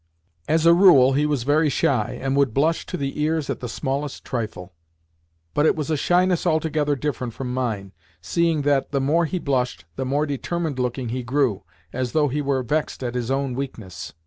As a rule he was very shy, and would blush to the ears at the smallest trifle, but it was a shyness altogether different from mine, seeing that, the more he blushed, the more determined looking he grew, as though he were vexed at his own weakness.